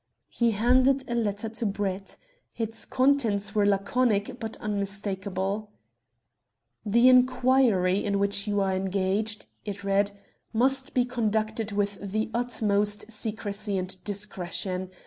He handed a letter to Brett. Its contents were laconic, but unmistakable "The inquiry in which you are engaged," it read, "must be conducted with the utmost secrecy and discretion.